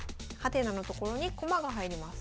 「？」のところに駒が入ります。